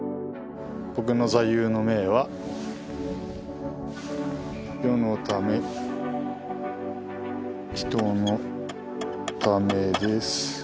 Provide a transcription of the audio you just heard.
僕の座右の銘は世のため人のためです